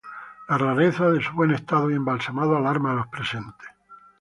La rareza de su buen estado y embalsamado alarma a los presentes.